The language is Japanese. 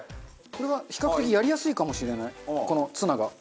これは比較的やりやすいかもしれないこのツナが。